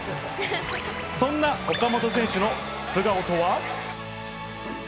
そんな岡本選手の素顔とは。